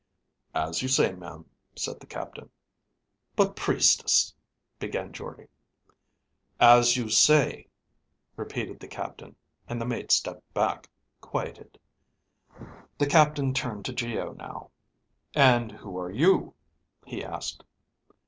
"As you say, ma'am," said the captain. "But Priestess," began Jordde. "As you say," repeated the captain, and the mate stepped back, quieted. The captain turned to Geo now. "And who are you?" he asked.